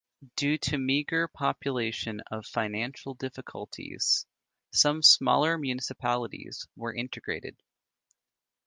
Due to meager population of financial difficulties, some smaller municipalities were integrated.